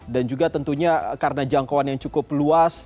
dan juga tentunya karena jangkauan yang cukup luas